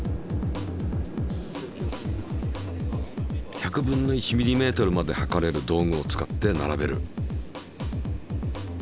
１００分の１ｍｍまで計れる道具を使って並べる。